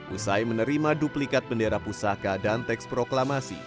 usai menerima duplikat bendera pusaka dan teks proklamasi